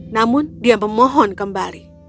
namun dia memohon kembali